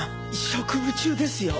職務中ですよ？